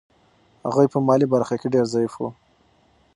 هغوی په مالي برخه کې ډېر ضعیف وو.